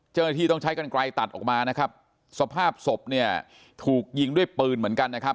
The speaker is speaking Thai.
เจ้าหน้าที่ต้องใช้กันไกลตัดออกมานะครับสภาพศพเนี่ยถูกยิงด้วยปืนเหมือนกันนะครับ